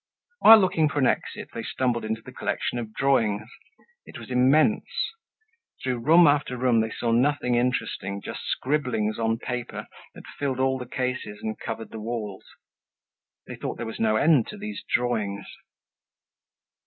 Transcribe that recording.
While looking for an exit they stumbled into the collection of drawings. It was immense. Through room after room they saw nothing interesting, just scribblings on paper that filled all the cases and covered the walls. They thought there was no end to these drawings.